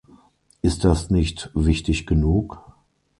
Ist das nicht wichtig genug?